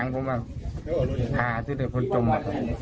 น้องแล้วเสพอ่ะ